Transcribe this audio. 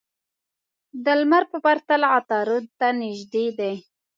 د لمر په پرتله عطارد ته نژدې دي.